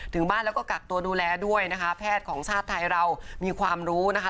ถึงบ้านแล้วก็กักตัวดูแลด้วยนะคะแพทย์ของชาติไทยเรามีความรู้นะคะ